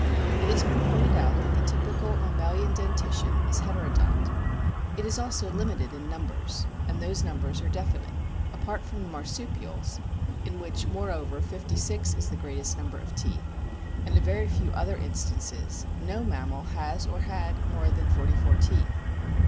It has been pointed out that the typical mammalian dentition is heterodont. It is also limited in numbers, and those numbers are definite. Apart from the Marsupials (in which, moreover, fifty six is the greatest number of teeth) and a very few other instances, no mammal has or had more than forty four teeth.